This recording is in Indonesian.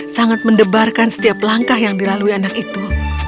sangat mendebarkan setiap langkah yang dilalui anak itu